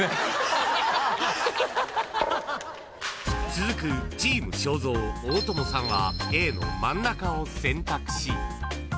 ［続くチーム正蔵大友さんはＡの真ん中を選択し］